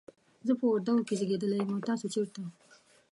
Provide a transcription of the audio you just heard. زه په وردګو کې زیږیدلی یم، او تاسو چیرته؟